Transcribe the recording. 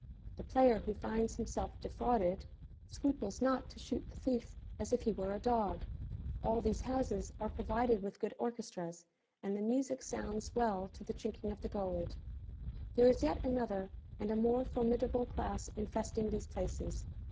The player who finds himself defrauded, scruples not to shoot the thief as if he were a dog. All these houses are provided with good orchestras, and the music sounds well to the chinking of the gold. There is yet another and a more formidable class infesting these places.